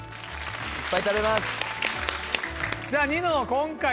いっぱい食べます。